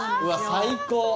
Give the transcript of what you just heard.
うわ最高！